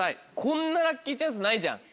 こんなラッキーチャンスないじゃん。